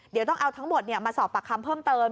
เดี๋ยวต้องเอาทั้งหมดมาสอบปากคำเพิ่มเติม